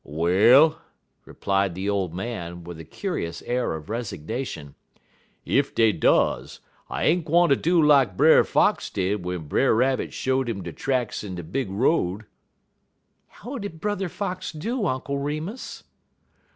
"Well," replied the old man, with a curious air of resignation, "ef dey does, I ain't gwine ter do lak Brer Fox did w'en Brer Rabbit showed him de tracks in de big road." "How did Brother Fox do, Uncle Remus?"